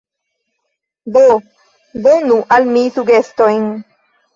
Do donu al mi sugestojn.